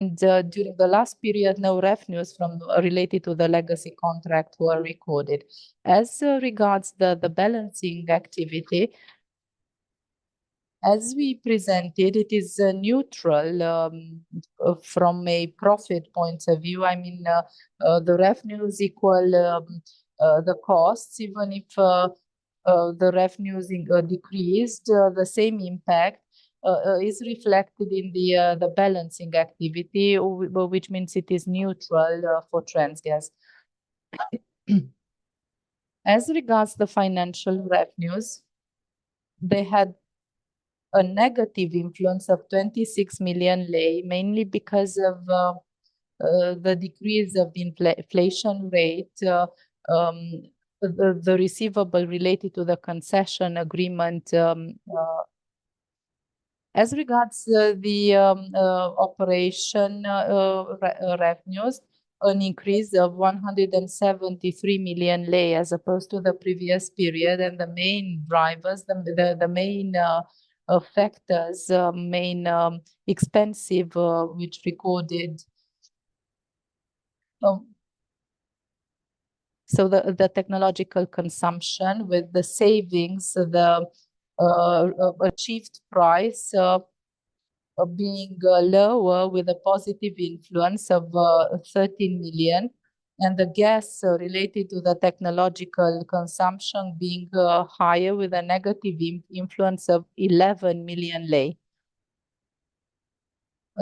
During the last period, no revenues related to the legacy contract were recorded. As regards the balancing activity, as we presented, it is neutral from a profit point of view. I mean, the revenues equal the costs. Even if the revenues decreased, the same impact is reflected in the balancing activity, which means it is neutral for Transgaz. As regards the financial revenues, they had a negative influence of 26 million RON, mainly because of the decrease of the inflation rate, the receivable related to the concession agreement. As regards the operation revenues, an increase of 173 million RON as opposed to the previous period. The main drivers, the main factors, main expenses which recorded, so the technological consumption with the savings, the achieved price being lower with a positive influence of RON 13 million, and the gas related to the technological consumption being higher with a negative influence of RON 11 million.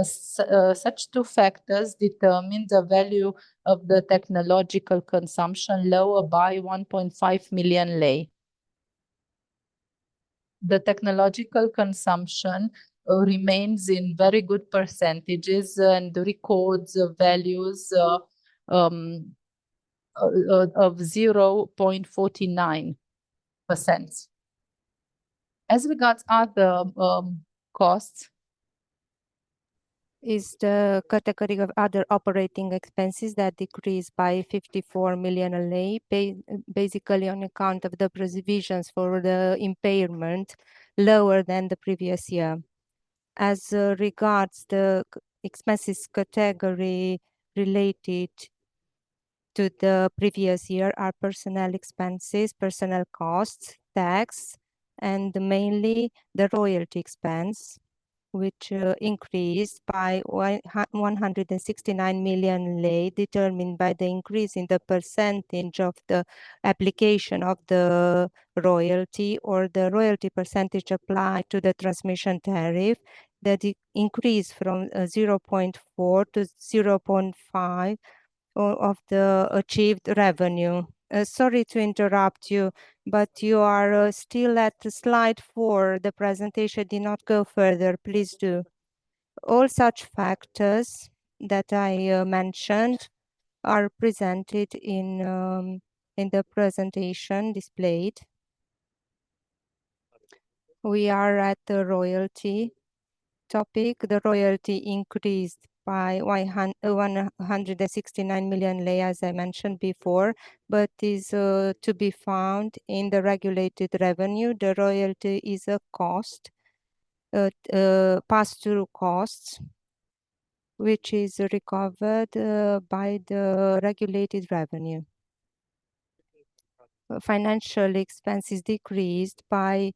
Such two factors determine the value of the technological consumption lower by RON 1.5 million. The technological consumption remains in very good percentages and records values of 0.49%. As regards other costs, it's the category of other operating expenses that decreased by RON 54 million, basically on account of the provisions for the impairment lower than the previous year. As regards the expenses category related to the previous year, these are personnel expenses, personnel costs, taxes, and mainly the royalty expense, which increased by RON 169 million, determined by the increase in the percentage of the application of the royalty or the royalty percentage applied to the transmission tariff that increased from 0.4% to 0.5% of the achieved revenue. Sorry to interrupt you, but you are still at slide four. The presentation did not go further. Please do. All such factors that I mentioned are presented in the presentation displayed. We are at the royalty topic. The royalty increased by RON 169 million, as I mentioned before, but is to be found in the regulated revenue. The royalty is a cost, pass-through costs, which is recovered by the regulated revenue. Financial expenses decreased by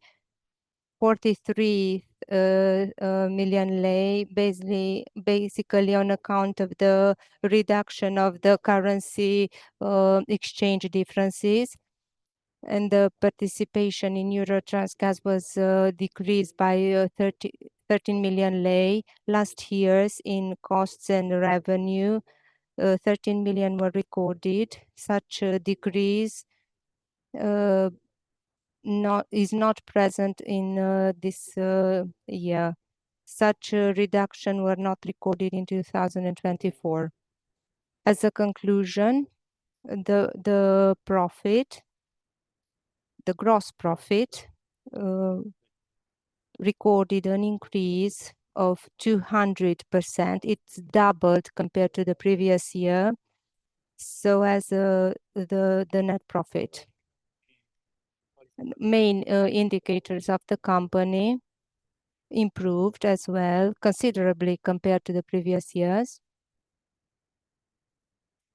RON 43 million, basically on account of the reduction of the currency exchange differences. The participation in Eurotransgaz was decreased by 13 million RON. Last year's costs and revenue, 13 million were recorded. Such a decrease is not present in this year. Such reductions were not recorded in 2024. As a conclusion, the gross profit recorded an increase of 200%. It's doubled compared to the previous year. So as the net profit, main indicators of the company improved as well, considerably compared to the previous years.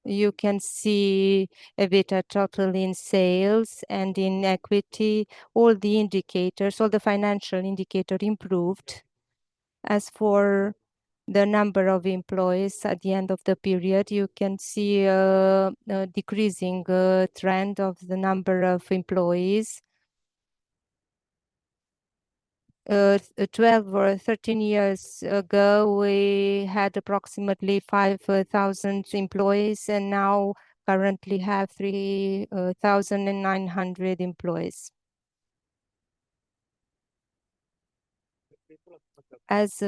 You can see a better total in sales and in equity. All the indicators, all the financial indicators improved. As for the number of employees at the end of the period, you can see a decreasing trend of the number of employees. 12 or 13 years ago, we had approximately 5,000 employees, and now currently have 3,900 employees. As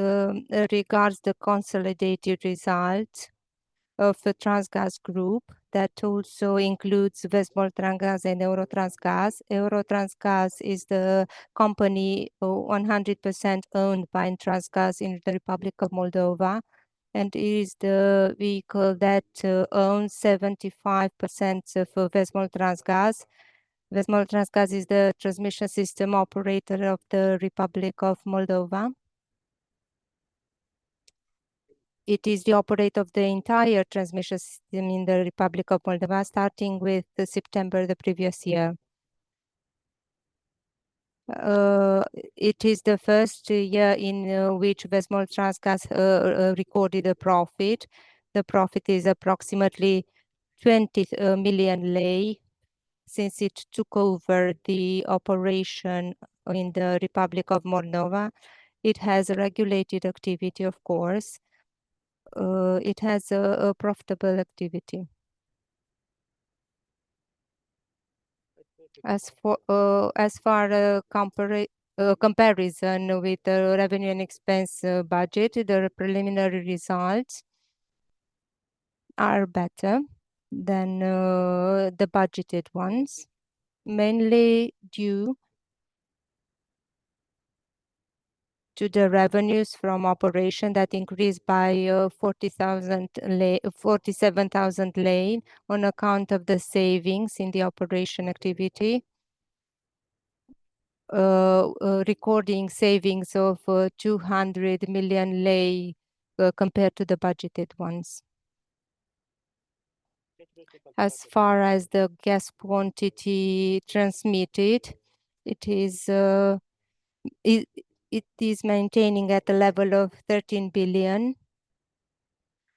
regards the consolidated result of the Transgaz Group, that also includes VestMoldTransgaz and Eurotransgaz. Eurotransgaz is the company 100% owned by Transgaz in the Republic of Moldova. It is the vehicle that owns 75% of VestMoldTransgaz. VestMoldTransgaz is the transmission system operator of the Republic of Moldova. It is the operator of the entire transmission system in the Republic of Moldova, starting with September the previous year. It is the first year in which VestMoldTransgaz recorded a profit. The profit is approximately MDL 20 million since it took over the operation in the Republic of Moldova. It has regulated activity, of course. It has a profitable activity. As far as comparison with the revenue and expense budget, the preliminary results are better than the budgeted ones, mainly due to the revenues from operation that increased by MDL 47,000 on account of the savings in the operation activity, recording savings of MDL 200 million compared to the budgeted ones. As far as the gas quantity transmitted, it is maintaining at the level of 13 billion.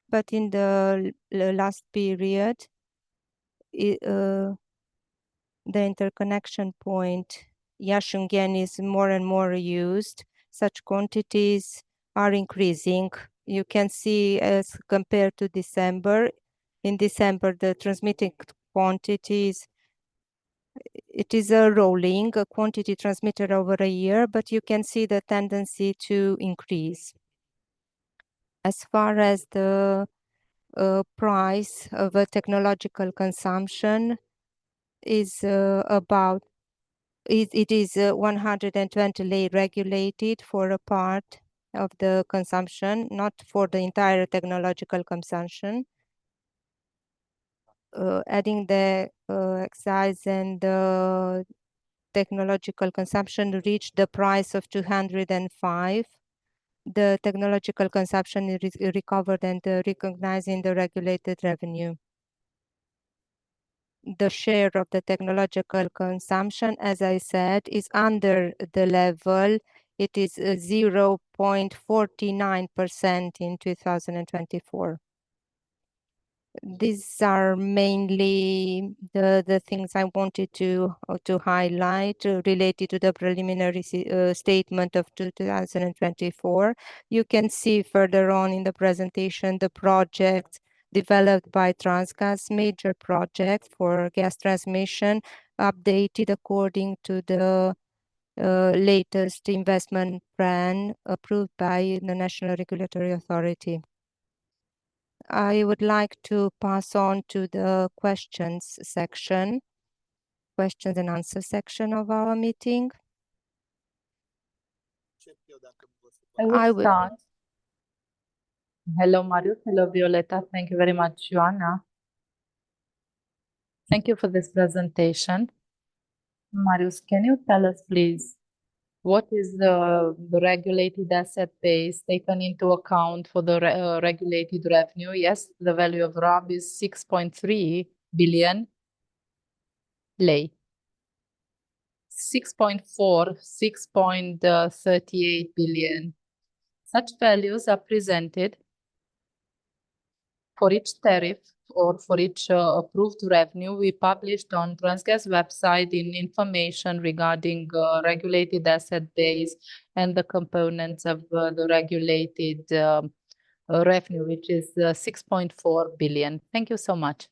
But in the last period, the interconnection point Iași-Ungheni is more and more used. Such quantities are increasing. You can see as compared to December. In December, the transmitting quantities, it is a rolling quantity transmitted over a year, but you can see the tendency to increase. As far as the price of technological consumption, it is RON 120 regulated for a part of the consumption, not for the entire technological consumption. Adding the excise and technological consumption reached the price of RON 205. The technological consumption is recovered and recognized in the regulated revenue. The share of the technological consumption, as I said, is under the level. It is 0.49% in 2024. These are mainly the things I wanted to highlight related to the preliminary statement of 2024. You can see further on in the presentation the projects developed by Transgaz, major projects for gas transmission, updated according to the latest investment plan approved by the National Regulatory Authority. I would like to pass on to the questions section, questions and answers section of our meeting. Hello, Marius. Hello, Violeta. Thank you very much, Ioana. Thank you for this presentation. Marius, can you tell us, please, what is the regulated asset base taken into account for the regulated revenue? Yes, the value of RAB is RON 6.3 billion, RON 6.4 billion, RON 6.38 billion. Such values are presented for each tariff or for each approved revenue we published on Transgaz's website in information regarding regulated asset base and the components of the regulated revenue, which is RON 6.4 billion. Thank you so much.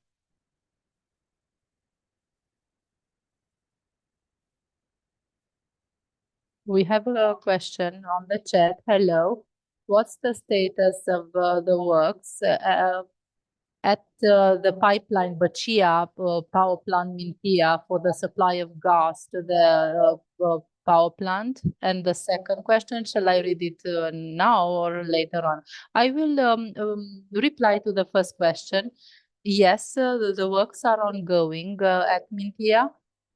We have a question on the chat. Hello. What's the status of the works at the pipeline Bacia Power Plant Mintia for the supply of gas to the power plant? And the second question, shall I read it now or later on? I will reply to the first question. Yes, the works are ongoing at Mintia,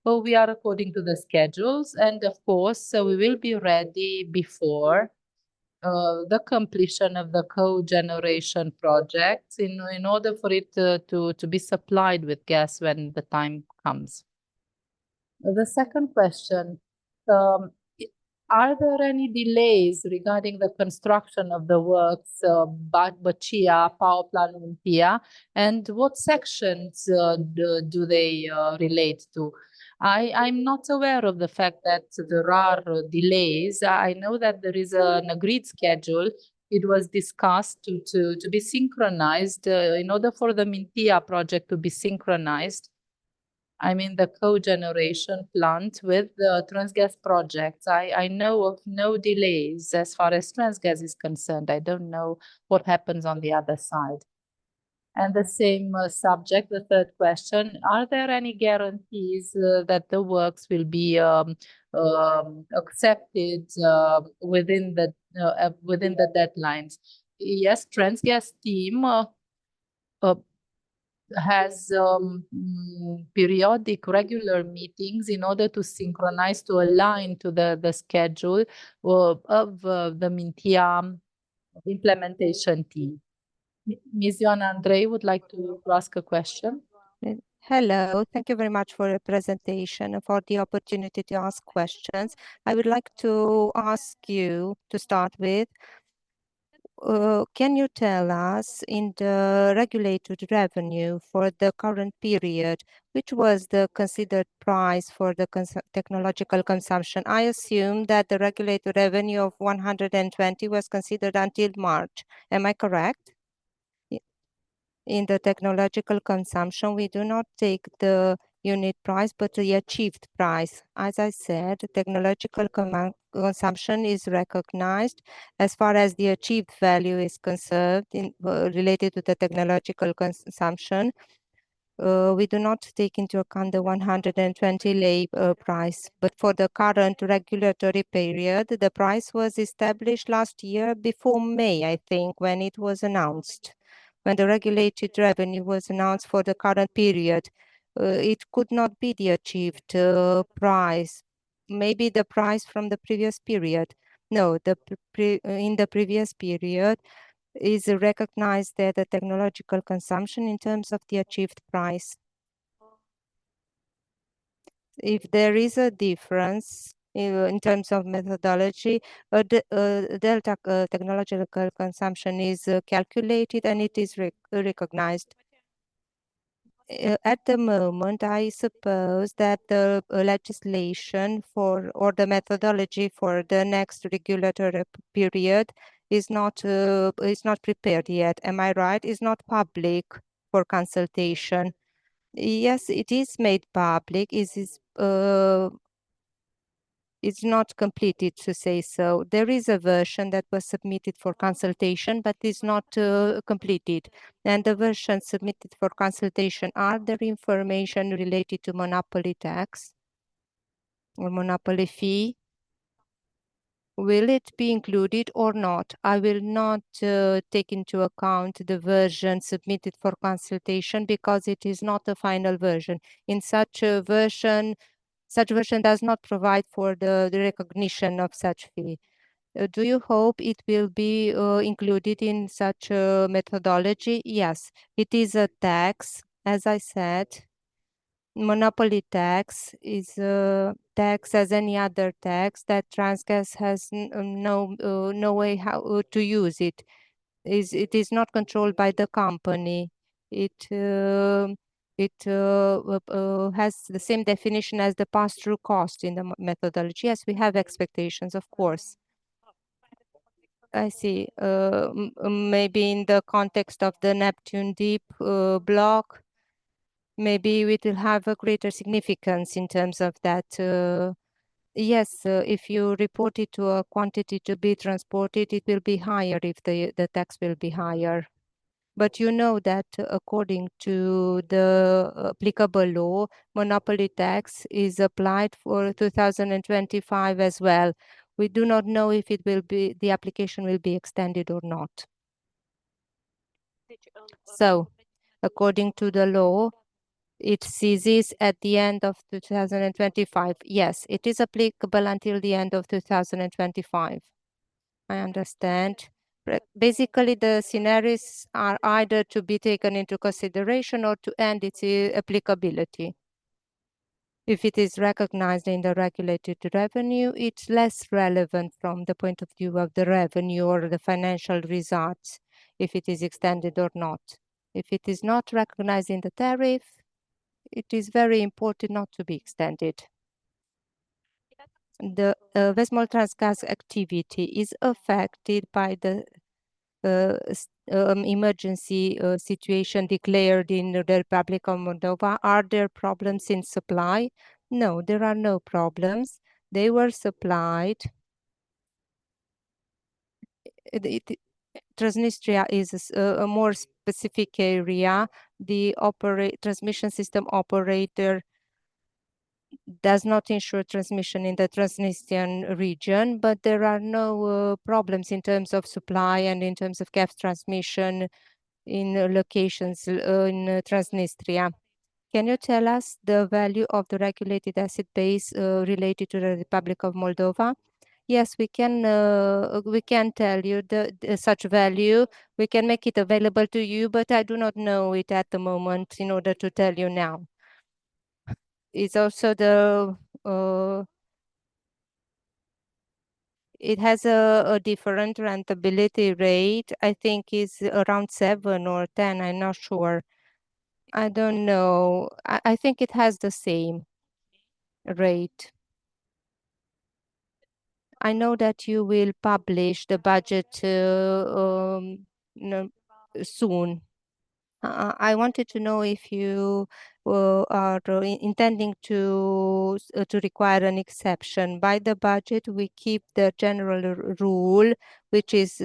but we are according to the schedules. Of course, we will be ready before the completion of the co-generation projects in order for it to be supplied with gas when the time comes. The second question, are there any delays regarding the construction of the works Bacia Power Plant Mintia? And what sections do they relate to? I'm not aware of the fact that there are delays. I know that there is an agreed schedule. It was discussed to be synchronized in order for the Mintia project to be synchronized. I mean, the co-generation plant with the Transgaz project. I know of no delays as far as Transgaz is concerned. I don't know what happens on the other side. And the same subject, the third question, are there any guarantees that the works will be accepted within the deadlines? Yes, Transgaz team has periodic regular meetings in order to synchronize, to align to the schedule of the Mintia implementation team. Ms. Ioana Andrei would like to ask a question. Hello. Thank you very much for the presentation and for the opportunity to ask questions. I would like to ask you to start with, can you tell us in the regulated revenue for the current period, which was the considered price for the technological consumption? I assume that the regulated revenue of 120 was considered until March. Am I correct? In the technological consumption, we do not take the unit price, but the achieved price. As I said, technological consumption is recognized as far as the achieved value is conserved related to the technological consumption. We do not take into account the 120 RON price. But for the current regulatory period, the price was established last year before May, I think, when it was announced, when the regulated revenue was announced for the current period. It could not be the achieved price. Maybe the price from the previous period. No, in the previous period, is recognized that the technological consumption in terms of the achieved price. If there is a difference in terms of methodology, delta technological consumption is calculated and it is recognized. At the moment, I suppose that the legislation or the methodology for the next regulatory period is not prepared yet. Am I right? It's not public for consultation. Yes, it is made public. It's not completed to say so. There is a version that was submitted for consultation, but it's not completed. And the version submitted for consultation, are there information related to Monopoly Tax or monopoly fee? Will it be included or not? I will not take into account the version submitted for consultation because it is not a final version. In such a version, such version does not provide for the recognition of such fee. Do you hope it will be included in such a methodology? Yes. It is a tax, as I said. Monopoly tax is a tax as any other tax that Transgaz has no way to use it. It is not controlled by the company. It has the same definition as the pass-through cost in the methodology. Yes, we have expectations, of course. I see. Maybe in the context of the Neptun Deep block, maybe it will have a greater significance in terms of that. Yes, if you report it to a quantity to be transported, it will be higher if the tax will be higher. But you know that according to the applicable law, monopoly tax is applied for 2025 as well. We do not know if the application will be extended or not. So according to the law, it ceases at the end of 2025. Yes, it is applicable until the end of 2025. I understand. Basically, the scenarios are either to be taken into consideration or to end its applicability. If it is recognized in the regulated revenue, it's less relevant from the point of view of the revenue or the financial results if it is extended or not. If it is not recognized in the tariff, it is very important not to be extended. The VestMoldTransgaz activity is affected by the emergency situation declared in the Republic of Moldova. Are there problems in supply? No, there are no problems. They were supplied. Transnistria is a more specific area. The transmission system operator does not ensure transmission in the Transnistrian region, but there are no problems in terms of supply and in terms of gas transmission in locations in Transnistria. Can you tell us the value of the regulated asset base related to the Republic of Moldova? Yes, we can tell you such value. We can make it available to you, but I do not know it at the moment in order to tell you now. It's also that it has a different rentability rate. I think it's around 7% or 10%. I'm not sure. I don't know. I think it has the same rate. I know that you will publish the budget soon. I wanted to know if you are intending to require an exception. By the budget, we keep the general rule, which is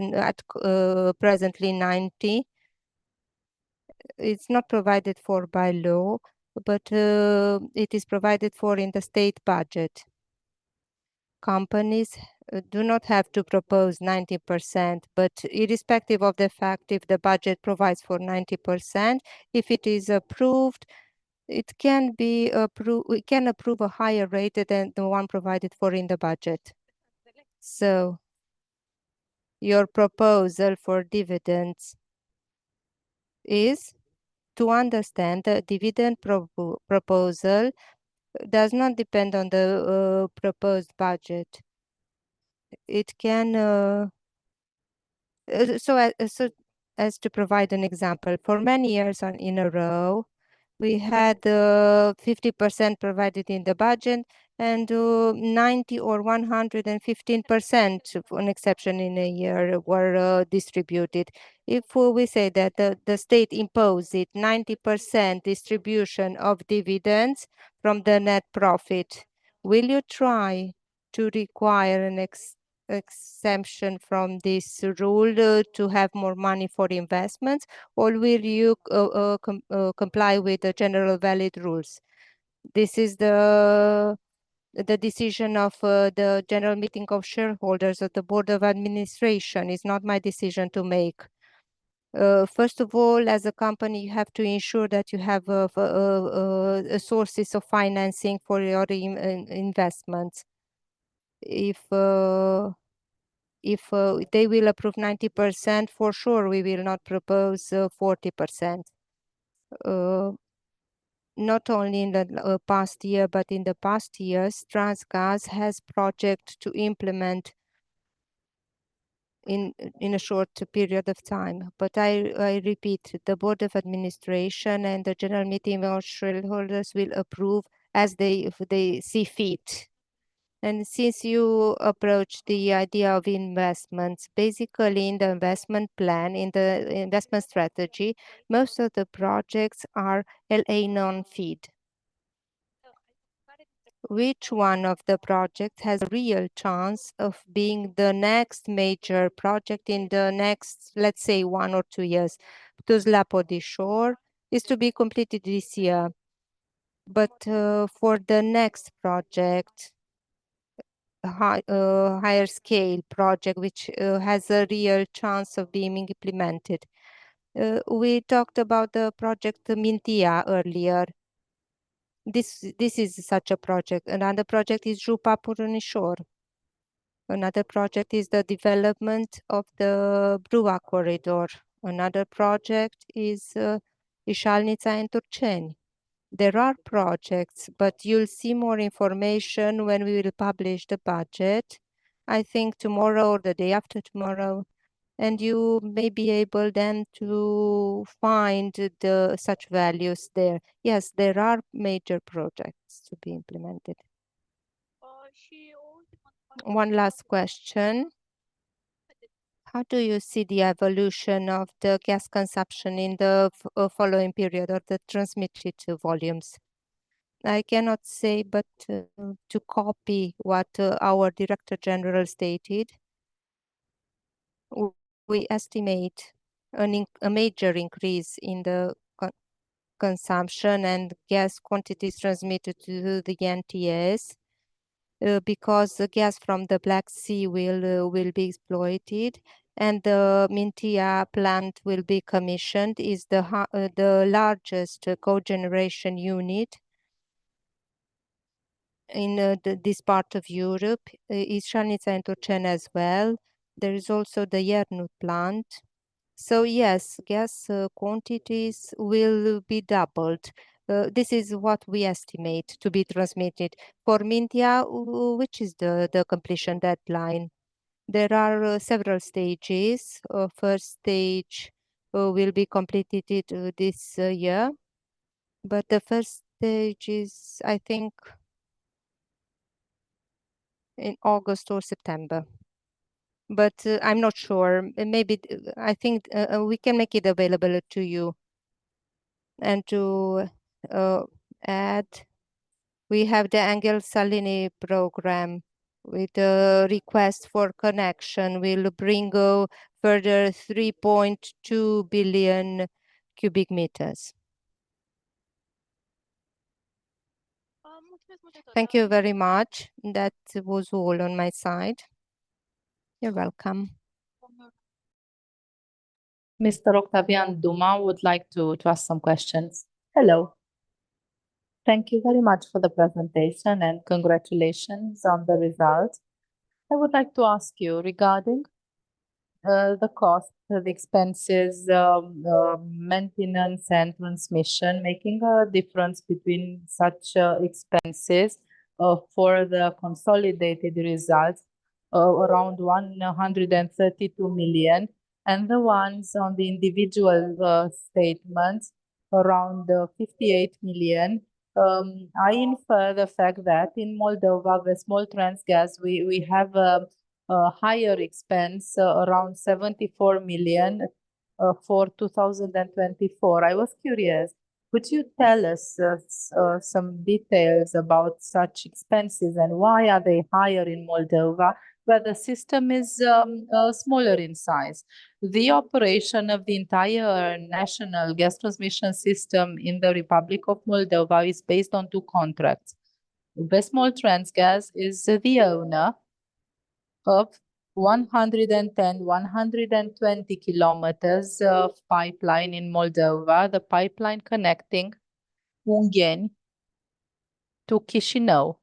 presently 90%. It's not provided for by law, but it is provided for in the state budget. Companies do not have to propose 90%, but irrespective of the fact, if the budget provides for 90%, if it is approved, it can be approved a higher rate than the one provided for in the budget. So your proposal for dividends is to understand that dividend proposal does not depend on the proposed budget. It can, so as to provide an example, for many years in a row, we had 50% provided in the budget and 90% or 115% of an exception in a year were distributed. If we say that the state imposed it, 90% distribution of dividends from the net profit, will you try to require an exemption from this rule to have more money for investments, or will you comply with the general valid rules? This is the decision of the general meeting of shareholders of the board of administration. It's not my decision to make. First of all, as a company, you have to ensure that you have sources of financing for your investments. If they will approve 90%, for sure, we will not propose 40%. Not only in the past year, but in the past years, Transgaz has projects to implement in a short period of time. But I repeat, the board of administration and the general meeting of shareholders will approve as they see fit. And since you approach the idea of investments, basically in the investment plan, in the investment strategy, most of the projects are LA non-FID. Which one of the projects has a real chance of being the next major project in the next, let's say, one or two years? Tuzla-Podișor is to be completed this year. But for the next project, higher scale project, which has a real chance of being implemented, we talked about the project Mintia earlier. This is such a project. Another project is Tuzla-Podișor. Another project is the development of the BRUA Corridor. Another project is Ișalnița and Turceni. There are projects, but you'll see more information when we will publish the budget, I think tomorrow or the day after tomorrow, and you may be able then to find such values there. Yes, there are major projects to be implemented. One last question. How do you see the evolution of the gas consumption in the following period of the transmitted volumes? I cannot say, but to copy what our Director General stated, we estimate a major increase in the consumption and gas quantities transmitted to the NTS because the gas from the Black Sea will be exploited. And the Mintia plant will be commissioned, is the largest co-generation unit in this part of Europe, Ișalnița and Turceni as well. There is also the Iernut plant. So yes, gas quantities will be doubled. This is what we estimate to be transmitted. For Mintia, which is the completion deadline, there are several stages. First stage will be completed this year. But the first stage is, I think, in August or September. But I'm not sure. Maybe I think we can make it available to you. And to add, we have the Anghel Saligny Program with a request for connection. We'll bring further 3.2 billion cubic meters. Thank you very much. That was all on my side. You're welcome. Mr. Octavian Duma would like to ask some questions. Hello. Thank you very much for the presentation and congratulations on the results. I would like to ask you regarding the cost, the expenses, maintenance and transmission, making a difference between such expenses for the consolidated results around 132 million and the ones on the individual statements around 58 million. I infer the fact that in Moldova, with VestMoldTransgaz, we have a higher expense, around 74 million for 2024. I was curious, could you tell us some details about such expenses and why are they higher in Moldova where the system is smaller in size? The operation of the entire national gas transmission system in the Republic of Moldova is based on two contracts. VestMoldTransgaz is the owner of 110-120 kilometers of pipeline in Moldova, the pipeline connecting Ungheni to Chișinău.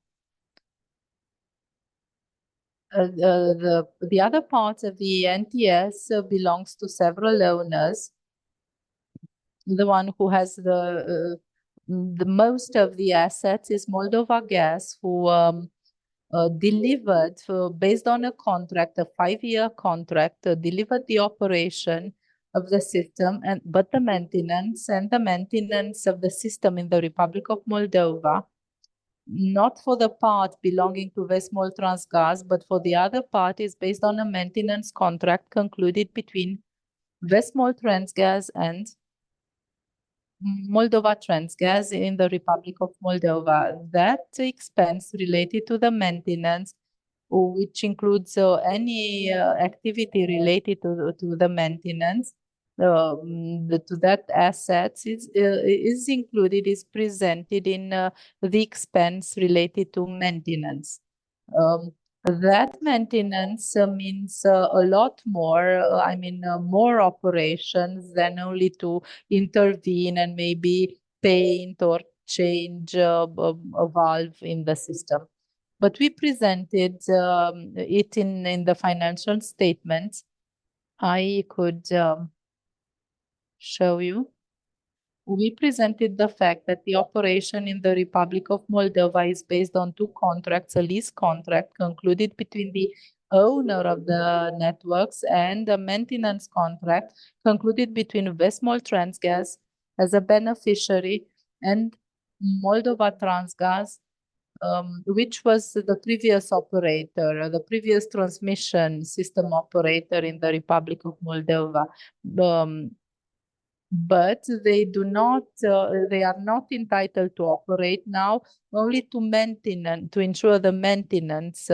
The other part of the NTS belongs to several owners. The one who has the most of the assets is Moldovagaz, who delivered based on a contract, a five-year contract, delivered the operation of the system, but the maintenance and the maintenance of the system in the Republic of Moldova, not for the part belonging to VestMoldTransgaz, but for the other part is based on a maintenance contract concluded between VestMoldTransgaz and Moldovatransgaz in the Republic of Moldova. That expense related to the maintenance, which includes any activity related to the maintenance, to that asset is included, is presented in the expense related to maintenance. That maintenance means a lot more, I mean, more operations than only to intervene and maybe paint or change a valve in the system. But we presented it in the financial statements. I could show you. We presented the fact that the operation in the Republic of Moldova is based on two contracts, a lease contract concluded between the owner of the networks and a maintenance contract concluded between VestMoldTransgaz as a beneficiary and Moldovatransgaz, which was the previous operator, the previous transmission system operator in the Republic of Moldova. But they are not entitled to operate now, only to ensure the maintenance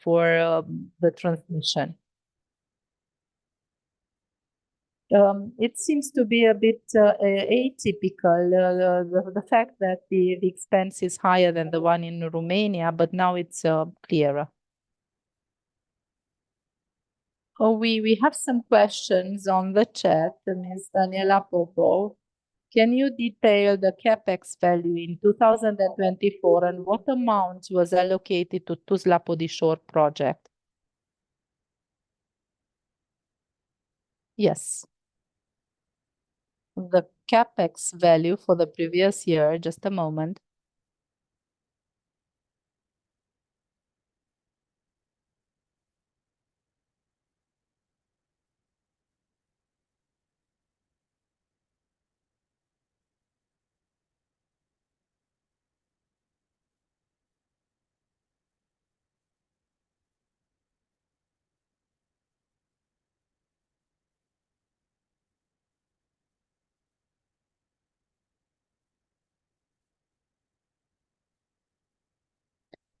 for the transmission. It seems to be a bit atypical, the fact that the expense is higher than the one in Romania, but now it's clearer. We have some questions on the chat. Ms. Daniela Popov, can you detail the CapEx value in 2024 and what amount was allocated to Tuzla-Podișor project? Yes. The CapEx value for the previous year, just a moment.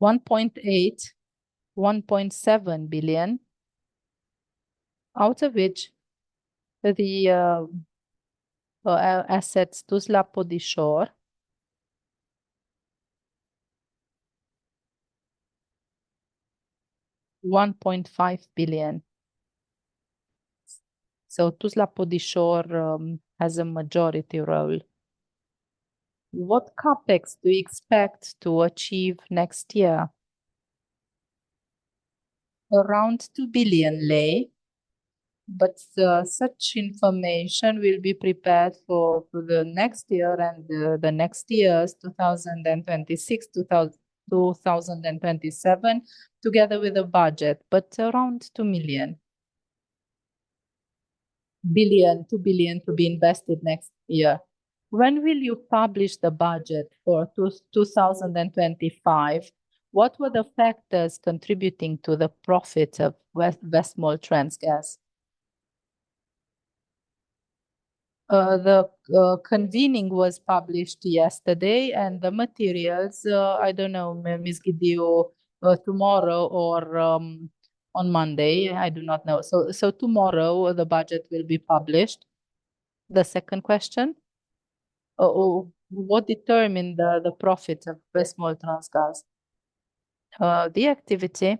RON 1.8 billion, RON 1.7 billion, out of which the assets Tuzla-Podișor, RON 1.5 billion. So Tuzla-Podișor has a majority role. What CapEx do we expect to achieve next year? Around RON 2 billion, but such information will be prepared for the next year and the next years, 2026, 2027, together with a budget, but around RON 2 billion to be invested next year. When will you publish the budget for 2025? What were the factors contributing to the profit of VestMoldTransgaz? The convening was published yesterday and the materials, I don't know, [maybe it could be] tomorrow or on Monday, I do not know. So tomorrow the budget will be published. The second question, what determined the profit of VestMoldTransgaz? The activity,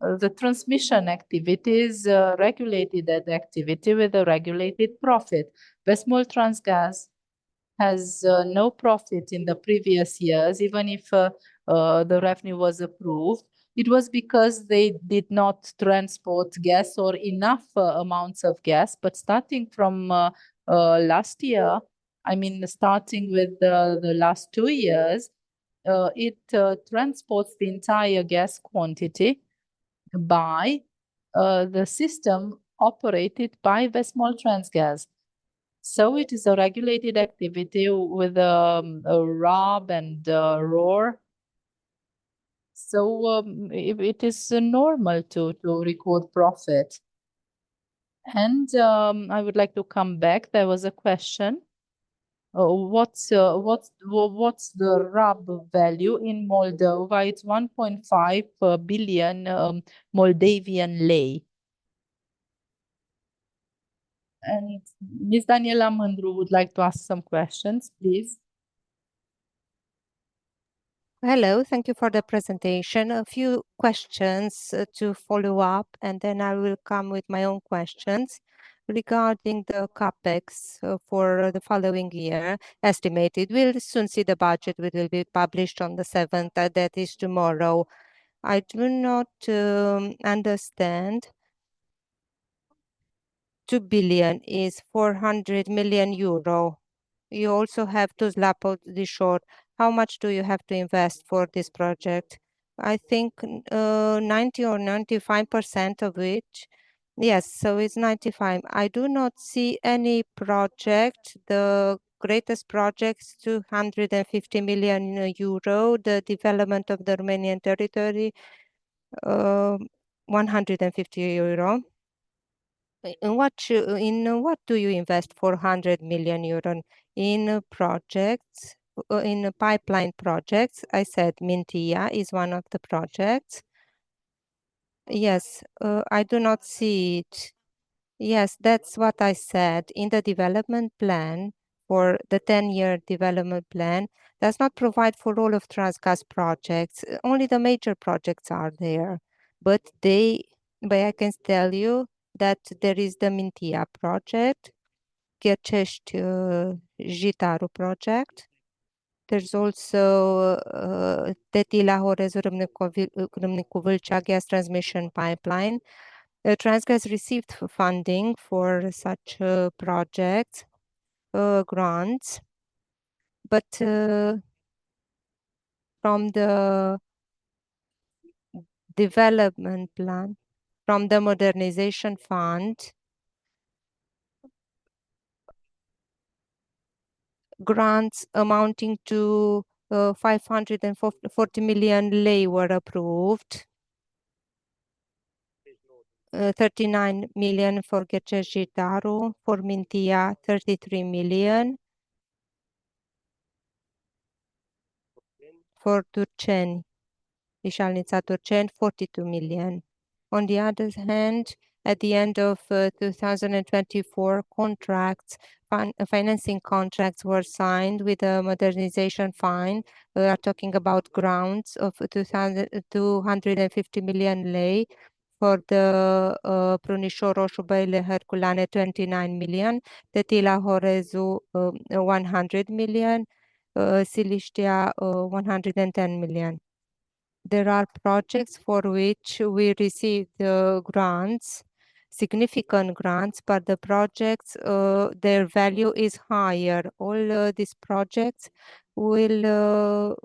the transmission activity is regulated activity with a regulated profit. VestMoldTransgaz has no profit in the previous years, even if the revenue was approved. It was because they did not transport gas or enough amounts of gas. But starting from last year, I mean, starting with the last two years, it transports the entire gas quantity by the system operated by VestMoldTransgaz. So it is a regulated activity with a RAB and ROE. So it is normal to record profit. And I would like to come back. There was a question. What's the RAB value in Moldova? It's 1.5 billion MDL. And Ms. Dana Mândru would like to ask some questions, please. Hello, thank you for the presentation. A few questions to follow up, and then I will come with my own questions regarding the CapEx for the following year, estimated. We'll soon see the budget which will be published on the 7th, that is tomorrow. I do not understand. 2 billion is 400 million euro. You also have Tuzla-Podișor. How much do you have to invest for this project? I think 90 or 95% of which, yes, so it's 95%. I do not see any project. The greatest project is 250 million euro, the development of the Romanian territory, 150 euro. In what do you invest 400 million euro in projects, in pipeline projects? I said Mintia is one of the projects. Yes, I do not see it. Yes, that's what I said in the development plan for the 10-year development plan. Does not provide for all of Transgaz projects. Only the major projects are there. But I can tell you that there is the Mintia project, Ghercești-Jitaru project. There's also Tetila-Horezu-Râmnicu Vâlcea gas transmission pipeline. Transgaz received funding for such projects, grants. But from the development plan, from the modernization fund, grants amounting to RON 540 million were approved. RON 39 million for Ghercești-Jitaru, for Mintia, RON 33 million. For Turceni, Ișalnița-Turceni, RON 42 million. On the other hand, at the end of 2024, financing contracts were signed with a modernization fund. We are talking about grants of RON 250 million for the Prunișor, Orșova-Băile Herculane, RON 29 million, Tetila-Horezu, RON 100 million, Siliștea, RON 110 million. There are projects for which we received grants, significant grants, but the projects, their value is higher. All these projects will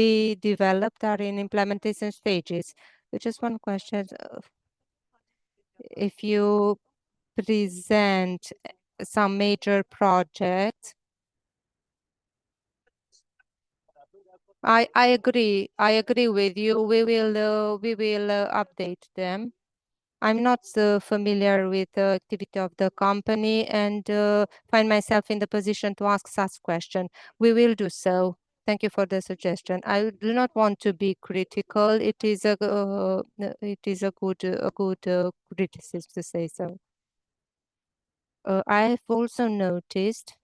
be developed or in implementation stages. Just one question. If you present some major projects, I agree. I agree with you. We will update them. I'm not familiar with the activity of the company and find myself in the position to ask such questions. We will do so. Thank you for the suggestion. I do not want to be critical. It is a good criticism to say so. I have also noticed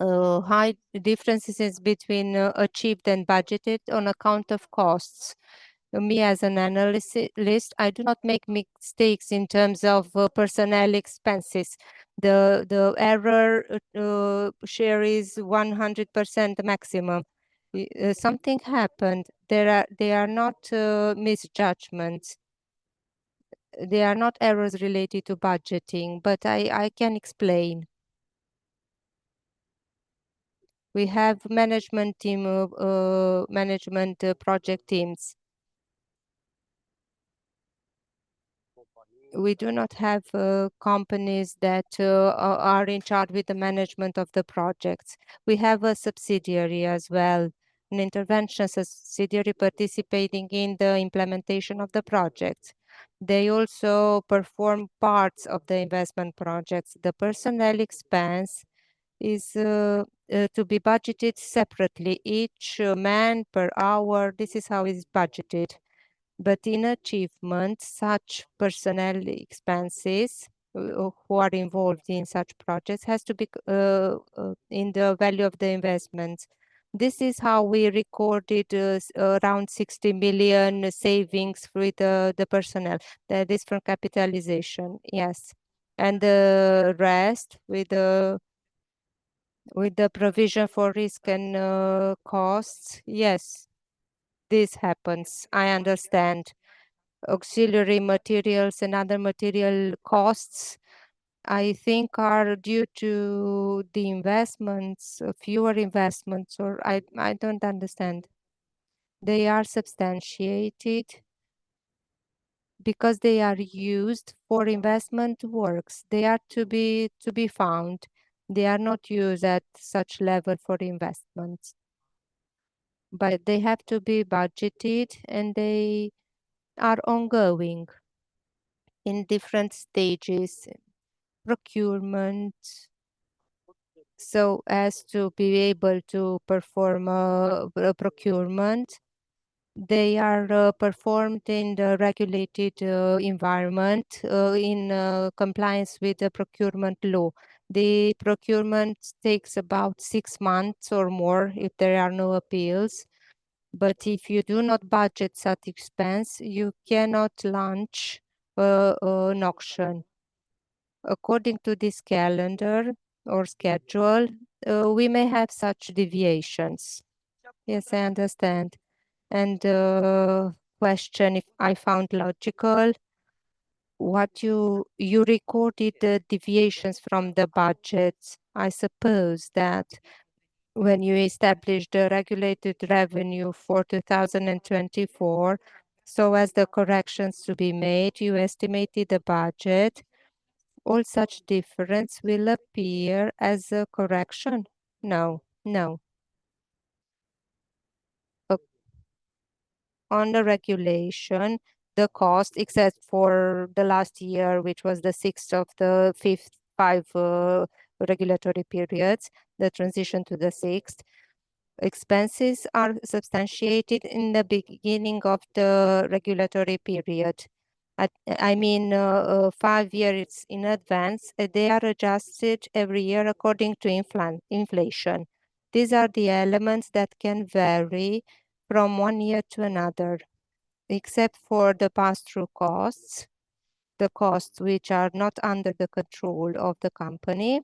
high differences between achieved and budgeted on account of costs. Me as an analyst, I do not make mistakes in terms of personnel expenses. The error share is 100% maximum. Something happened. They are not misjudgments. They are not errors related to budgeting, but I can explain. We have management teams, management project teams. We do not have companies that are in charge with the management of the projects. We have a subsidiary as well, an intervention subsidiary participating in the implementation of the projects. They also perform parts of the investment projects. The personnel expense is to be budgeted separately. Each man per hour, this is how it's budgeted. But in achievement, such personnel expenses who are involved in such projects has to be in the value of the investments. This is how we recorded around 60 million savings with the personnel. That is for capitalization, yes. And the rest with the provision for risk and costs, yes. This happens. I understand. Auxiliary materials and other material costs, I think, are due to the investments, fewer investments, or I don't understand. They are substantiated because they are used for investment works. They are to be found. They are not used at such level for investments. But they have to be budgeted and they are ongoing in different stages, procurement. So as to be able to perform a procurement, they are performed in the regulated environment in compliance with the procurement law. The procurement takes about six months or more if there are no appeals. But if you do not budget such expense, you cannot launch an auction. According to this calendar or schedule, we may have such deviations. Yes, I understand. And question, if I found logical, what you recorded the deviations from the budgets. I suppose that when you established the regulated revenue for 2024, so as the corrections to be made, you estimated the budget, all such difference will appear as a correction. No, no. On the regulation, the cost except for the last year, which was the 6th of the 5th, five regulatory periods, the transition to the 6th, expenses are substantiated in the beginning of the regulatory period. I mean, five years in advance, they are adjusted every year according to inflation. These are the elements that can vary from one year to another, except for the pass-through costs, the costs which are not under the control of the company.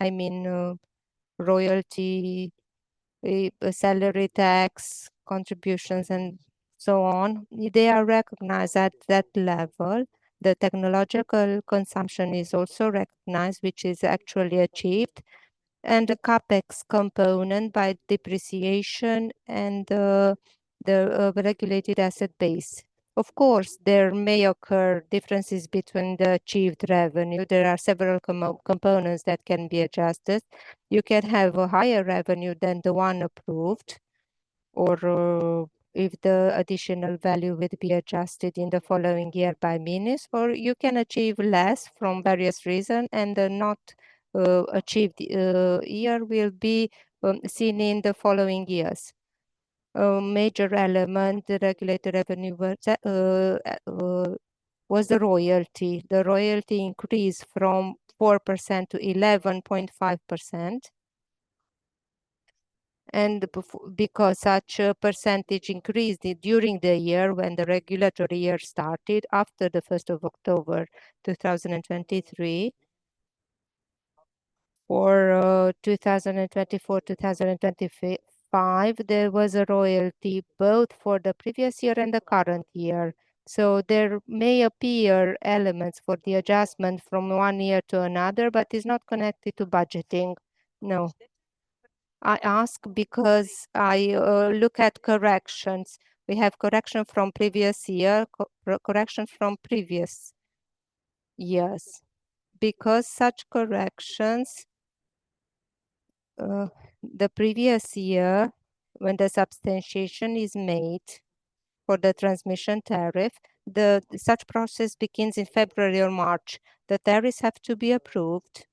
I mean, royalty, salary tax, contributions, and so on. They are recognized at that level. The technological consumption is also recognized, which is actually achieved, and the CapEx component by depreciation and the regulated asset base. Of course, there may occur differences between the achieved revenue. There are several components that can be adjusted. You can have a higher revenue than the one approved, or if the additional value will be adjusted in the following year by minister, or you can achieve less from various reasons and not achieved year will be seen in the following years. Major element, the regulated revenue was the royalty. The royalty increased from 4% to 11.5%. And because such a percentage increased during the year when the regulatory year started after the 1st of October 2023, for 2024-2025, there was a royalty both for the previous year and the current year. So there may appear elements for the adjustment from one year to another, but it's not connected to budgeting. No. I ask because I look at corrections. We have correction from previous year, correction from previous years. Because such corrections, the previous year, when the substantiation is made for the transmission tariff, such process begins in February or March. The tariffs have to be approved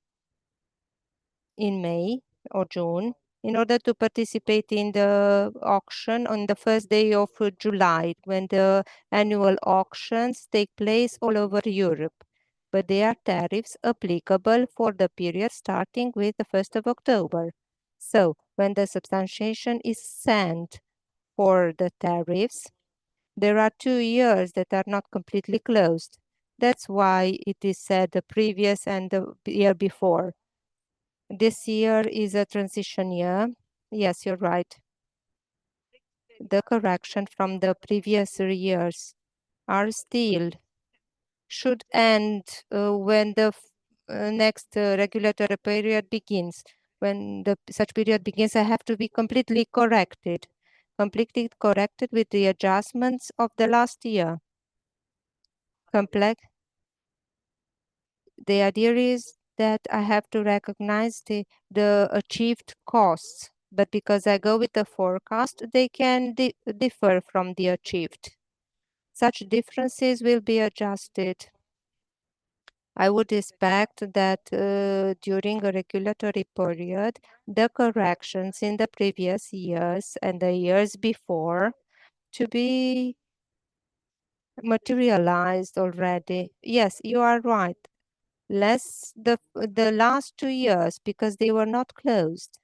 in May or June in order to participate in the auction on the first day of July when the annual auctions take place all over Europe. But there are tariffs applicable for the period starting with the 1st of October. So when the substantiation is sent for the tariffs, there are two years that are not completely closed. That's why it is said the previous and the year before. This year is a transition year. Yes, you're right. The correction from the previous years are still should end when the next regulatory period begins. When such period begins, I have to be completely corrected, completely corrected with the adjustments of the last year. Complex. The idea is that I have to recognize the achieved costs. But because I go with the forecast, they can differ from the achieved. Such differences will be adjusted. I would expect that during a regulatory period, the corrections in the previous years and the years before to be materialized already. Yes, you are right. Less the last two years because they were not closed.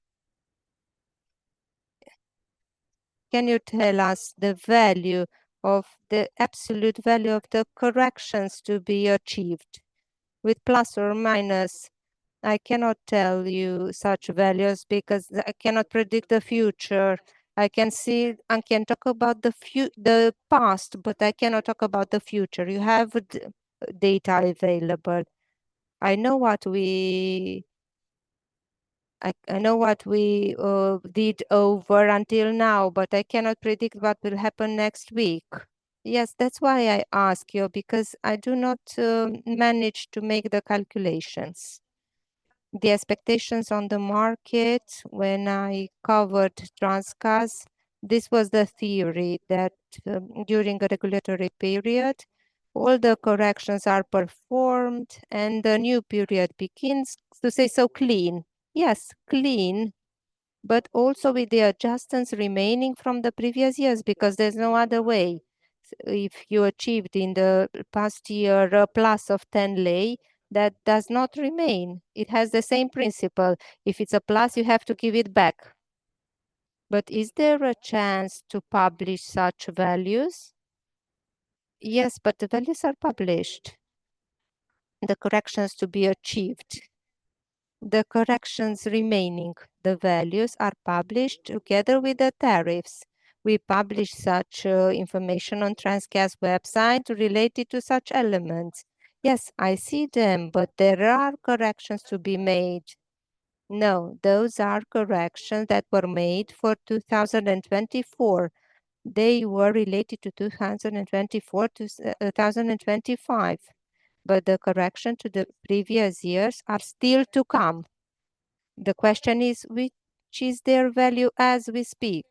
Can you tell us the value of the absolute value of the corrections to be achieved with plus or minus? I cannot tell you such values because I cannot predict the future. I can see and can talk about the past, but I cannot talk about the future. You have data available. I know what we did up until now, but I cannot predict what will happen next week. Yes, that's why I ask you because I do not manage to make the calculations. The expectations on the market when I covered Transgaz, this was the theory that during the regulatory period, all the corrections are performed and the new period begins, to say so clean. Yes, clean, but also with the adjustments remaining from the previous years because there's no other way. If you achieved in the past year a plus of RON 10, that does not remain. It has the same principle. If it's a plus, you have to give it back. But is there a chance to publish such values? Yes, but the values are published. The corrections to be achieved. The corrections remaining. The values are published together with the tariffs. We publish such information on Transgaz website related to such elements. Yes, I see them, but there are corrections to be made. No, those are corrections that were made for 2024. They were related to 2024 to 2025. But the correction to the previous years are still to come. The question is, which is their value as we speak?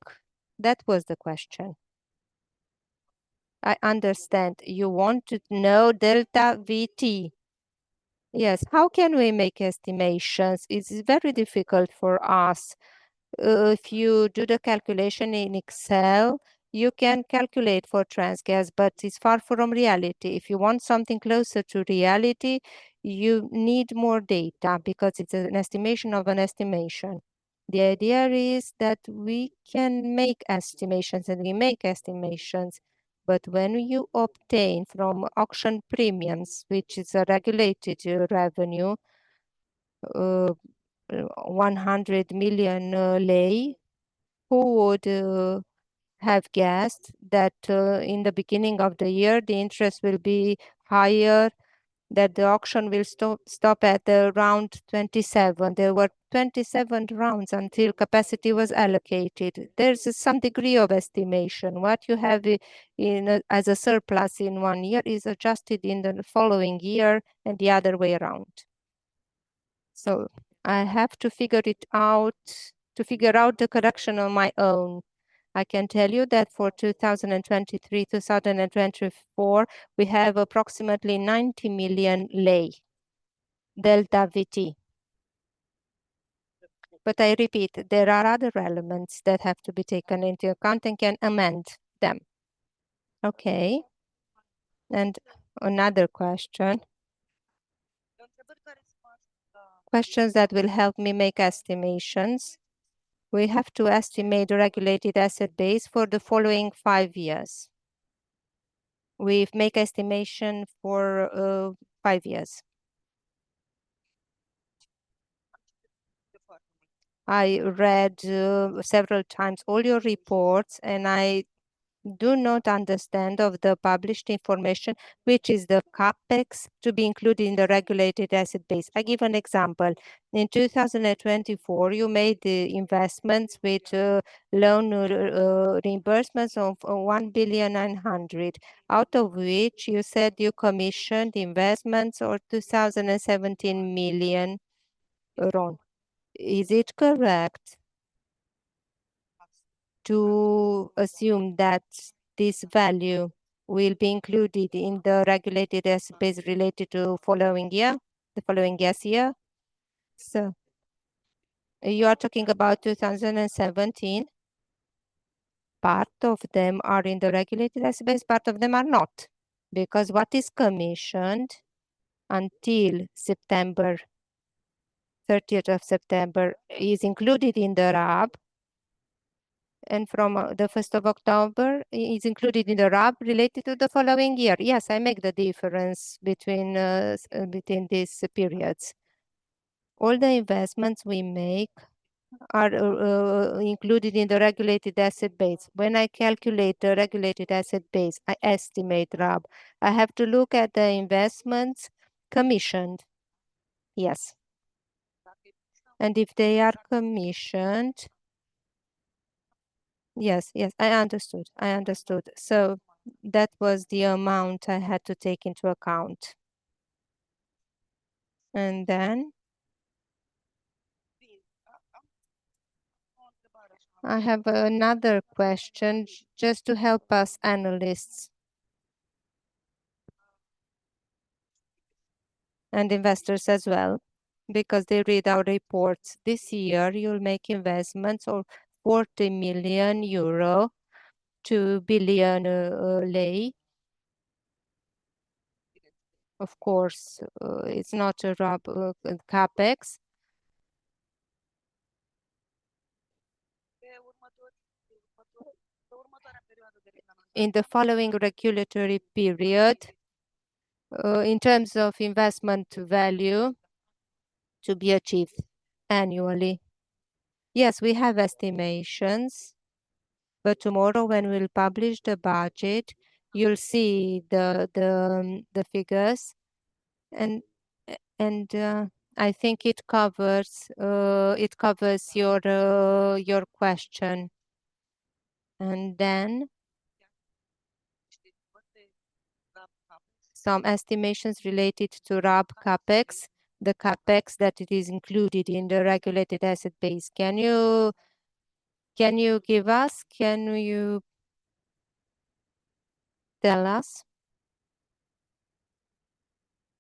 That was the question. I understand. You want to know Delta VT. Yes. How can we make estimations? It's very difficult for us. If you do the calculation in Excel, you can calculate for Transgaz, but it's far from reality. If you want something closer to reality, you need more data because it's an estimation of an estimation. The idea is that we can make estimations and we make estimations. But when you obtain from auction premiums, which is a regulated revenue, 100 million RON, who would have guessed that in the beginning of the year, the interest will be higher, that the auction will stop at around 27? There were 27 rounds until capacity was allocated. There's some degree of estimation. What you have as a surplus in one year is adjusted in the following year and the other way around. So I have to figure it out, to figure out the correction on my own. I can tell you that for 2023-2024, we have approximately 90 million RON, Delta VT. But I repeat, there are other elements that have to be taken into account and can amend them. Okay. And another question. Questions that will help me make estimations. We have to estimate the regulated asset base for the following five years. We make estimation for five years. I read several times all your reports, and I do not understand of the published information, which is the CapEx to be included in the regulated asset base. I give an example. In 2024, you made the investments with loan reimbursements of 1,900,000, out of which you said you commissioned investments of 2,017,000,000. Is it correct to assume that this value will be included in the regulated asset base related to the following year, the following year's year? So you are talking about 2017. Part of them are in the regulated asset base, part of them are not. Because what is commissioned until September 30th is included in the RAB, and from the 1st of October is included in the RAB related to the following year. Yes, I make the difference between these periods. All the investments we make are included in the regulated asset base. When I calculate the regulated asset base, I estimate RAB. I have to look at the investments commissioned. Yes. And if they are commissioned, yes, yes, I understood. I understood. So that was the amount I had to take into account. And then I have another question just to help us analysts and investors as well, because they read our reports. This year, you'll make investments of 40 million euro to 1 billion RON. Of course, it's not a RAB CapEx. In the following regulatory period, in terms of investment value to be achieved annually. Yes, we have estimations, but tomorrow when we'll publish the budget, you'll see the figures. And I think it covers your question. And then some estimations related to RAB CapEx, the CapEx that it is included in the regulated asset base. Can you give us, can you tell us?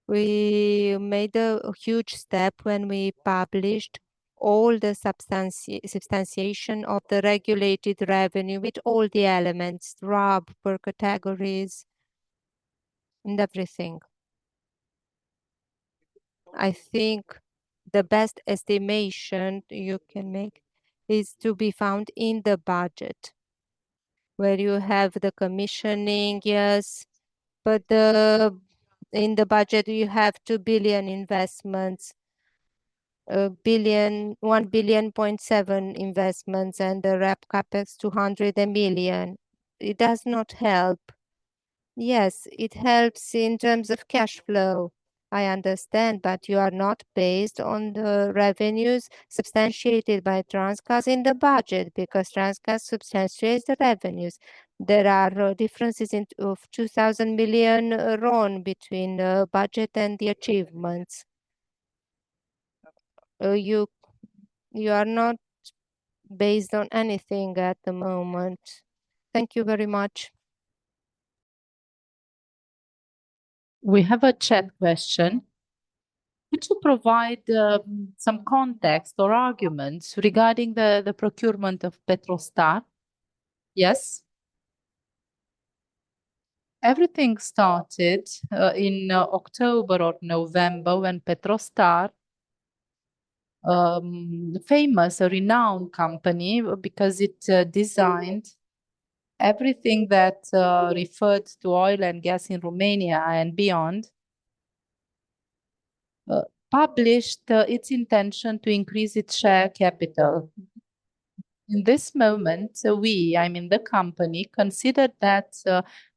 We made a huge step when we published all the substantiation of the regulated revenue with all the elements, RAB per categories, and everything. I think the best estimation you can make is to be found in the budget, where you have the commissioning years. But in the budget, you have RON 2 billion investments, RON 1.7 billion investments, and the RAB CapEx RON 200 million. It does not help. Yes, it helps in terms of cash flow. I understand, but you are not based on the revenues substantiated by Transgaz in the budget because Transgaz substantiates the revenues. There are differences of 2 billion RON between the budget and the achievements. You are not based on anything at the moment. Thank you very much. We have a chat question. Could you provide some context or arguments regarding the procurement of Petrostar? Yes. Everything started in October or November when Petrostar, a famous, renowned company, because it designed everything that referred to oil and gas in Romania and beyond, published its intention to increase its share capital. In this moment, we, I mean the company, consider that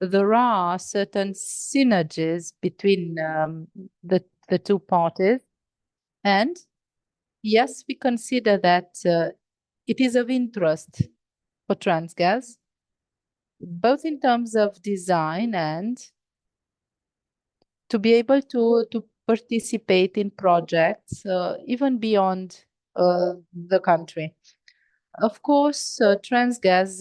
there are certain synergies between the two parties, and yes, we consider that it is of interest for Transgaz, both in terms of design and to be able to participate in projects even beyond the country. Of course, Transgaz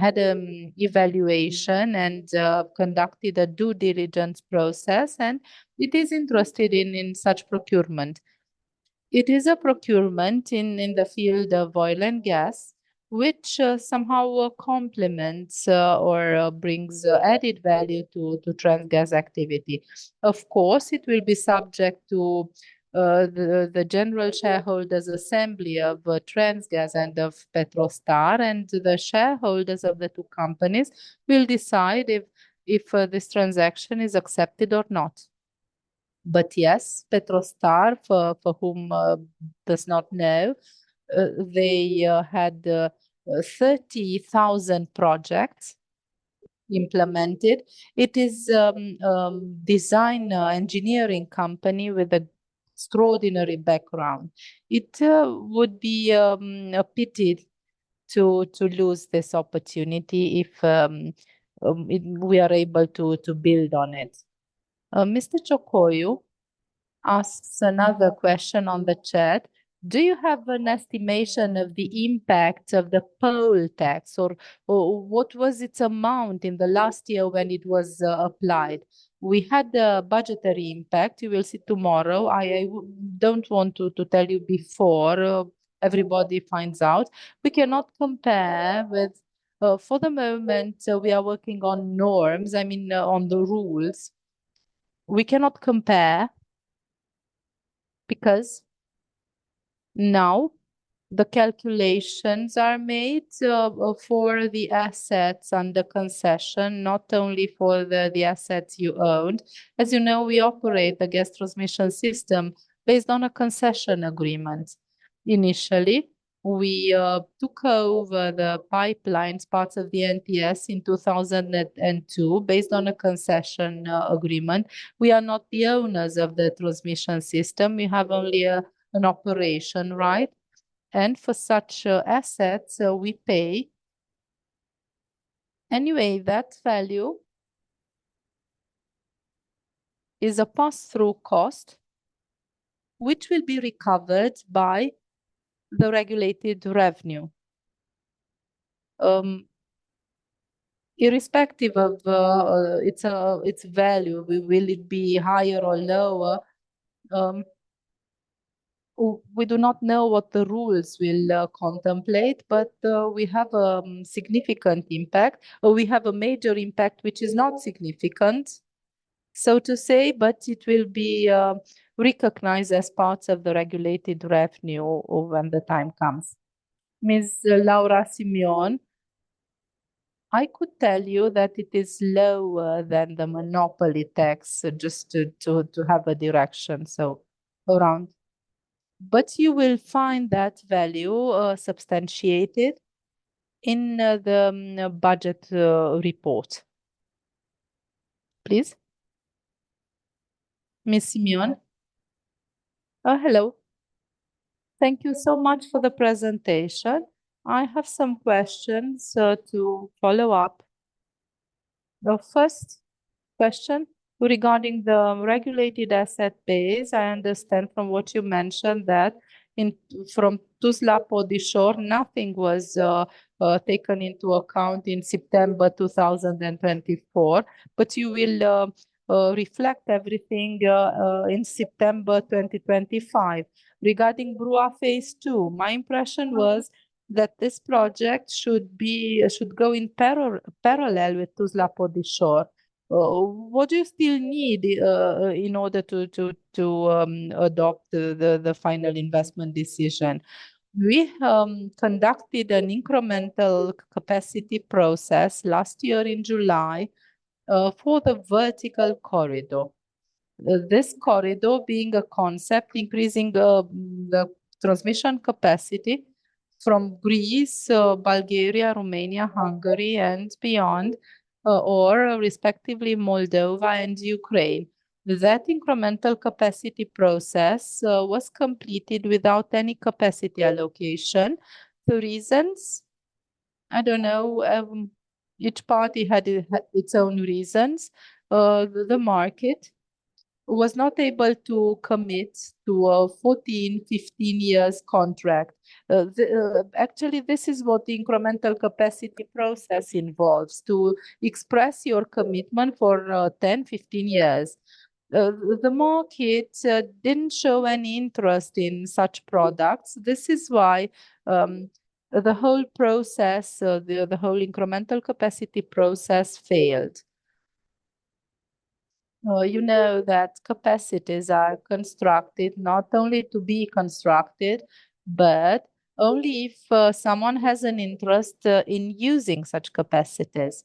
had an evaluation and conducted a due diligence process, and it is interested in such procurement. It is a procurement in the field of oil and gas, which somehow complements or brings added value to Transgaz activity. Of course, it will be subject to the general shareholders' assembly of Transgaz and of Petrostar, and the shareholders of the two companies will decide if this transaction is accepted or not. But yes, Petrostar, for whom does not know, they had 30,000 projects implemented. It is a design engineering company with an extraordinary background. It would be a pity to lose this opportunity if we are able to build on it. Mr. Ciocoiu asks another question on the chat. Do you have an estimation of the impact of the Monopoly Tax or what was its amount in the last year when it was applied? We had a budgetary impact. You will see tomorrow. I don't want to tell you before everybody finds out. We cannot compare with, for the moment, we are working on norms, I mean on the rules. We cannot compare because now the calculations are made for the assets and the concession, not only for the assets you owned. As you know, we operate a gas transmission system based on a concession agreement. Initially, we took over the pipelines, parts of the NTS in 2002, based on a concession agreement. We are not the owners of the transmission system. We have only an operation right, and for such assets, we pay. Anyway, that value is a pass-through cost, which will be recovered by the regulated revenue. Irrespective of its value, will it be higher or lower? We do not know what the rules will contemplate, but we have a significant impact. We have a major impact, which is not significant, so to say, but it will be recognized as parts of the regulated revenue when the time comes. Ms. Laura Simion, I could tell you that it is lower than the monopoly tax, just to have a direction, so around. But you will find that value substantiated in the budget report. Please. Ms. Simion. Hello. Thank you so much for the presentation. I have some questions to follow up. The first question regarding the regulated asset base, I understand from what you mentioned that from Tuzla-Podișor, nothing was taken into account in September 2024, but you will reflect everything in September 2025. Regarding BRUA phase II, my impression was that this project should go in parallel with Tuzla-Podișor. What do you still need in order to adopt the final investment decision? We conducted an Incremental Capacity process last year in July for the Vertical Corridor. This corridor being a concept increasing the transmission capacity from Greece, Bulgaria, Romania, Hungary, and beyond, or respectively Moldova and Ukraine. That Incremental Capacity process was completed without any capacity allocation. The reasons? I don't know. Each party had its own reasons. The market was not able to commit to a 14- or 15-year contract. Actually, this is what the Incremental Capacity process involves, to express your commitment for 10- or 15-year periods. The market didn't show any interest in such products. This is why the whole process, the whole Incremental Capacity process failed. You know that capacities are constructed not only to be constructed, but only if someone has an interest in using such capacities.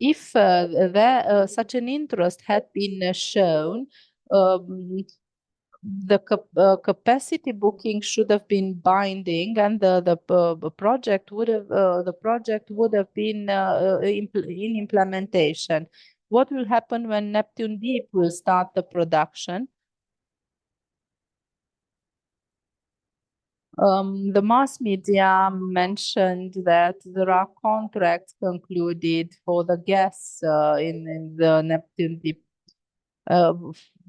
If such an interest had been shown, the capacity booking should have been binding, and the project would have been in implementation. What will happen when Neptun Deep will start the production? The mass media mentioned that there are contracts concluded for the gas in the Neptun Deep,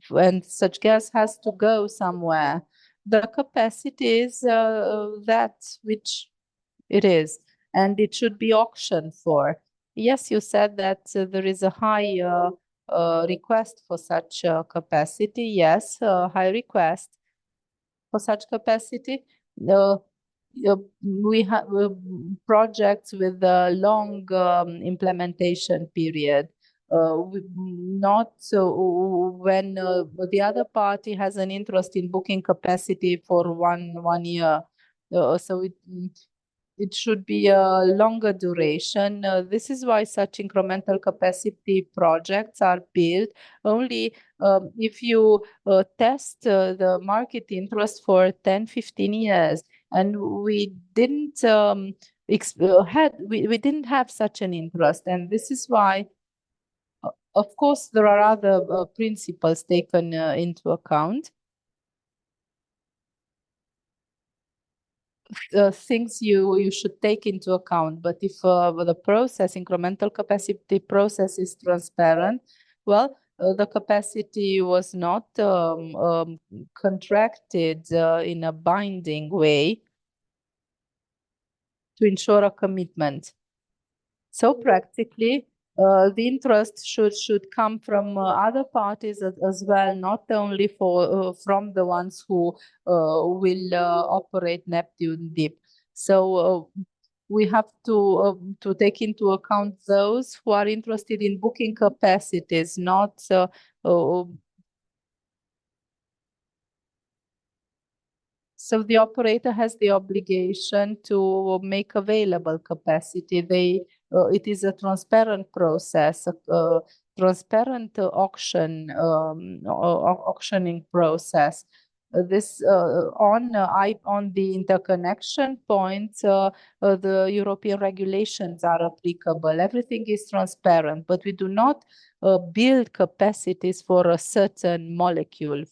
and such gas has to go somewhere. The capacity is that which it is, and it should be auctioned for. Yes, you said that there is a high request for such capacity. Yes, high request for such capacity. We have projects with a long implementation period, not when the other party has an interest in booking capacity for one year. So it should be a longer duration. This is why such incremental capacity projects are built. Only if you test the market interest for 10, 15 years, and we didn't have such an interest. This is why, of course, there are other principles taken into account. Things you should take into account, but if the process, incremental capacity process is transparent, well, the capacity was not contracted in a binding way to ensure a commitment. Practically, the interest should come from other parties as well, not only from the ones who will operate Neptun Deep. We have to take into account those who are interested in booking capacities. The operator has the obligation to make available capacity. It is a transparent process, a transparent auctioning process. On the interconnection points, the European regulations are applicable. Everything is transparent, but we do not build capacities for a certain molecule,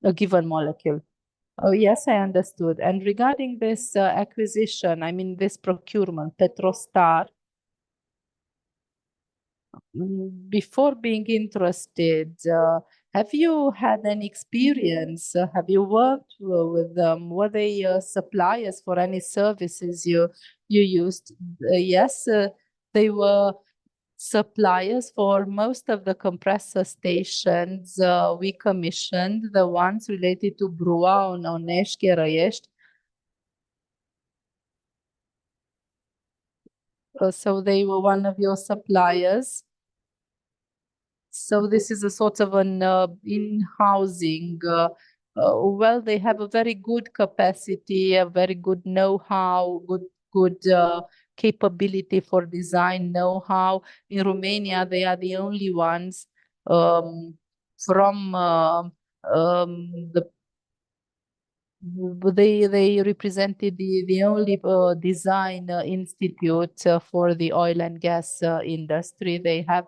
for a given molecule. Yes, I understood. Regarding this acquisition, I mean this procurement, Petrostar, before being interested, have you had any experience? Have you worked with them? Were they suppliers for any services you used? Yes, they were suppliers for most of the compressor stations we commissioned, the ones related to BRUA and Iași-Ungheni. So they were one of your suppliers. So this is a sort of an in-housing. Well, they have a very good capacity, a very good know-how, good capability for design know-how. In Romania, they are the only ones they represented the only design institute for the oil and gas industry. They have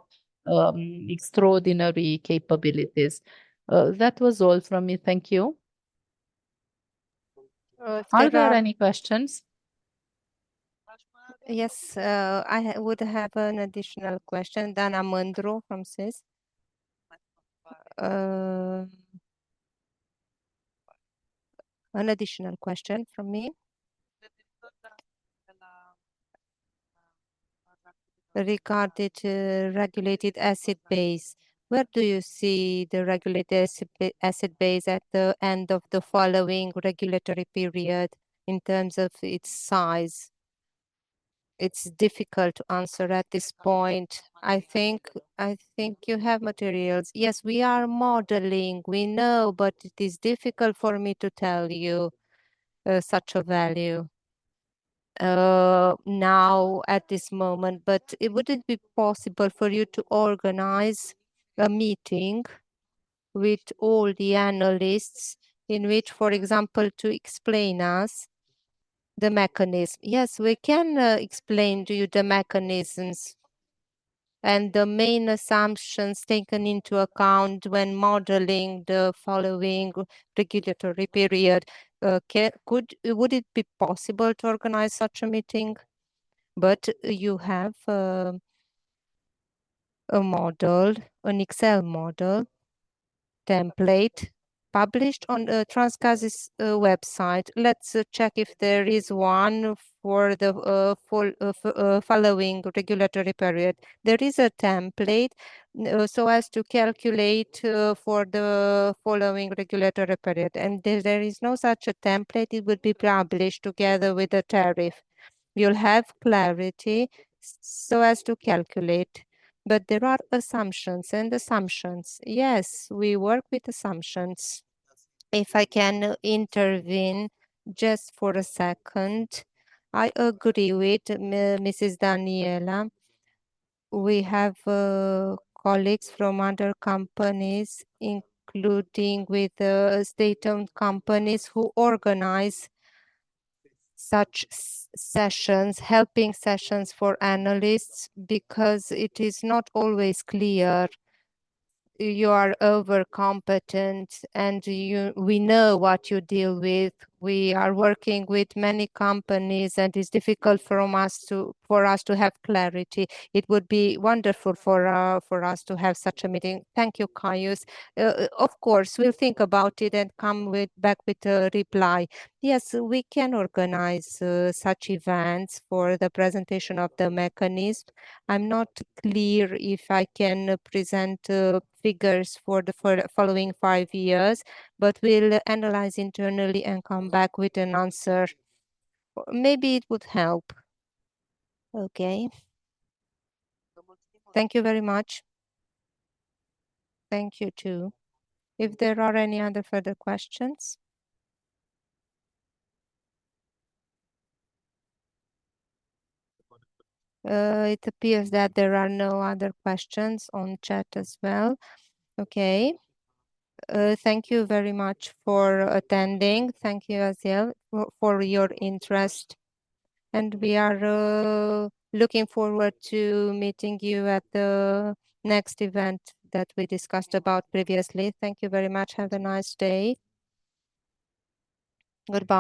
extraordinary capabilities. That was all from me. Thank you. Are there any questions? Yes, I would have an additional question. Dana Mândru from Swiss. An additional question from me regarding regulated asset base. Where do you see the regulated asset base at the end of the following regulatory period in terms of its size? It's difficult to answer at this point. I think you have materials. Yes, we are modeling. We know, but it is difficult for me to tell you such a value now at this moment. But would it be possible for you to organize a meeting with all the analysts in which, for example, to explain to us the mechanism? Yes, we can explain to you the mechanisms and the main assumptions taken into account when modeling the following regulatory period. Would it be possible to organize such a meeting? But you have a model, an Excel model template published on Transgaz's website. Let's check if there is one for the following regulatory period. There is a template so as to calculate for the following regulatory period. And there is no such a template. It would be published together with the tariff. You'll have clarity so as to calculate. But there are assumptions and assumptions. Yes, we work with assumptions. If I can intervene just for a second, I agree with Mrs. Daniela. We have colleagues from other companies, including with state-owned companies who organize such sessions, helping sessions for analysts because it is not always clear. You are over-competent and we know what you deal with. We are working with many companies and it's difficult for us to have clarity. It would be wonderful for us to have such a meeting. Thank you, Caius. Of course, we'll think about it and come back with a reply. Yes, we can organize such events for the presentation of the mechanism. I'm not clear if I can present figures for the following five years, but we'll analyze internally and come back with an answer. Maybe it would help. Okay. Thank you very much. Thank you too. If there are any other further questions. It appears that there are no other questions on chat as well. Okay. Thank you very much for attending. Thank you, Aziel, for your interest, and we are looking forward to meeting you at the next event that we discussed about previously. Thank you very much. Have a nice day. Goodbye.